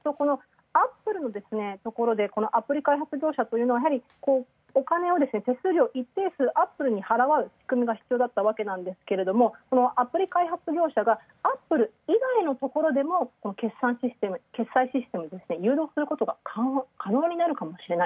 そうなるとアップルのところでアプリ開発業者はやはりお金を手数料、一定数、アップルに支払う仕組みが必要だったんですがアプリ開発業者がアップル以外のところでも決済システムを可能になるかもしれない。